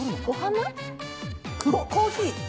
コーヒー？